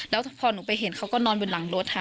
แล้วพอหนูไปเห็นเขาก็นอนบนหลังรถค่ะ